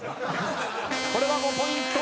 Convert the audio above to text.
これは５ポイント。